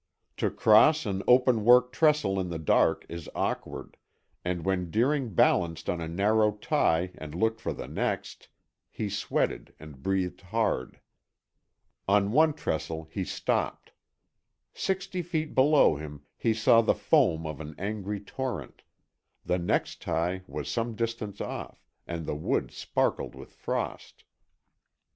To cross an open work trestle in the dark is awkward, and when Deering balanced on a narrow tie and looked for the next, he sweated and breathed hard. On one trestle he stopped. Sixty feet below him, he saw the foam of an angry torrent; the next tie was some distance off, and the wood sparkled with frost.